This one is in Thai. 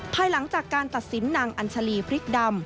ภายหลังจากการตัดสินนางอัญชาลีพริกดำ